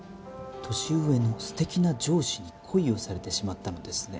「年上の素敵な上司に恋をされてしまったのですね」